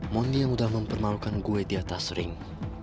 mony yang udah mempermalukan gue di atas ring